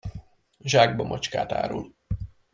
Zsákbamacskát árul.